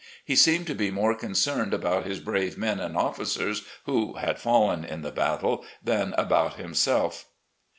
He seemed to be more concerned about his brave men and officers, who had fallen in the battle, than about himself.